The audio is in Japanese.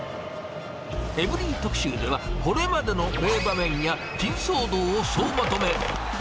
エブリィ特集では、これまでの名場面や珍騒動を総まとめ。